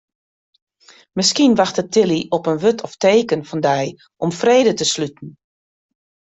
Miskien wachtet Tilly op in wurd of teken fan dy om frede te sluten.